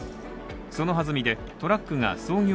そのはずみでトラックが創業